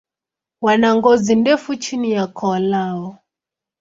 Wana ngozi ndefu chini ya koo lao.